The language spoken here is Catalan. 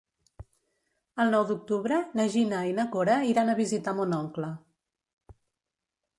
El nou d'octubre na Gina i na Cora iran a visitar mon oncle.